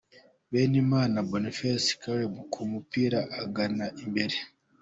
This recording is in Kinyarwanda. Bimenyimana Bonfils Khaleb ku mupira agana imbere .